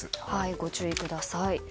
ご注意ください。